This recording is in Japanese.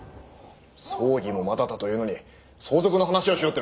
葬儀もまだだというのに相続の話をしようっていうのか！